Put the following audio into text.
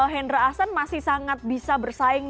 hendra ahsan masih sangat bisa bersaing